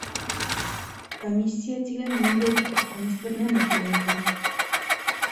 Комиссия тигән ниндәйҙер ҡурҡыныс бер нәмә килә икән.